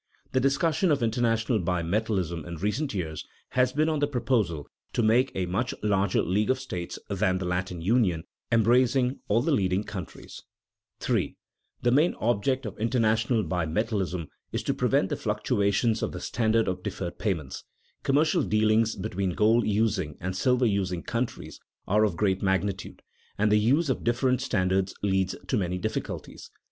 The discussion of international bimetallism in recent years has been on the proposal to make a much larger league of states than the Latin Union, embracing all the leading countries. [Sidenote: Object of international bimetallism] 3. The main object of international bimetallism is to prevent the fluctuations of the standard of deferred payments. Commercial dealings between gold using and silver using countries are of great magnitude, and the use of different standards leads to many difficulties.